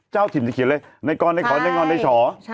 เจ้าถิ่นจะเขียนเลยในกรในขอในงอนในฉอ